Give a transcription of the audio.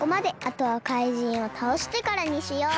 あとはかいじんをたおしてからにしよう。